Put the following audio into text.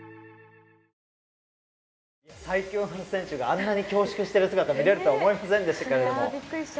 最強の選手があんなに恐縮してる姿が見れるとは思いませんでした。